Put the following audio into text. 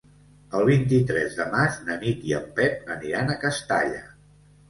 El vint-i-tres de maig na Nit i en Pep aniran a Castalla.